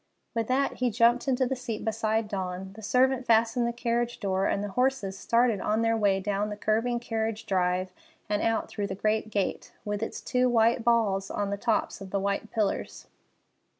With that, he jumped into the seat beside Dawn, the servant fastened the carriage door, and the horses started on their way down the curving carriage drive and out through the great gate, with its two white balls on the tops of the white pillars.